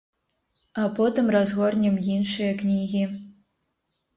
А потым разгорнем іншыя кнігі.